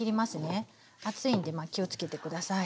熱いんでまあ気をつけて下さい。